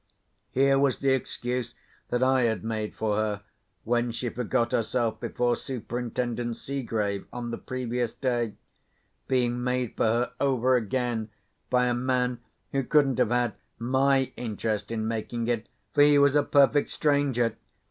Here was the excuse that I had made for her (when she forgot herself before Superintendent Seegrave, on the previous day) being made for her over again, by a man who couldn't have had my interest in making it—for he was a perfect stranger!